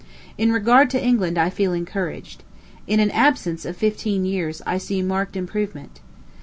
In regard to England, I feel encouraged. In an absence of fifteen years I see marked improvement.